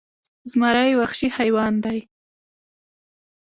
زمری وخشي حیوان دې